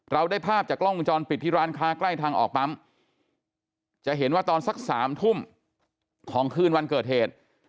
ได้ภาพจากกล้องวงจรปิดที่ร้านค้าใกล้ทางออกปั๊มจะเห็นว่าตอนสัก๓ทุ่มของคืนวันเกิดเหตุ